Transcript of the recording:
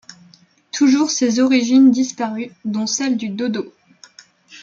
Toujours ces origines disparues, dont celles du dodo.